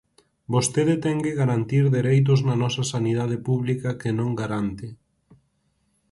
Vostede ten que garantir dereitos na nosa sanidade pública que non garante.